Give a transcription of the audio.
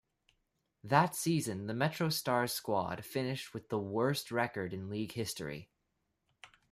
That season the MetroStars squad finished with the worst record in league history.